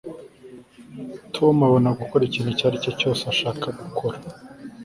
tom abona gukora ikintu icyo ari cyo cyose ashaka gukora